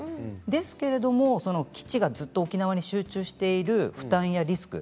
ですけれども、基地がずっと沖縄に集中している負担やリスク